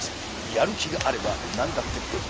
やる気があれば何だってできる。